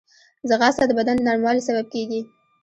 ځغاسته د بدن د نرموالي سبب کېږي